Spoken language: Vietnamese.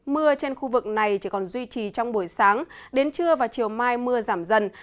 mưa trên khu vực này chỉ còn duy trì trong buổi sáng đến trưa và chiều mai mưa giảm dần